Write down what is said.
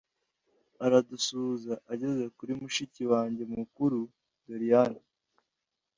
aradusuhuza ageze kuri mushiki wange mukuru doliane